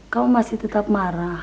kamu masih tetap marah